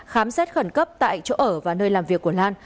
khám xét khẩn cấp tại chỗ ở và nơi làm việc của lan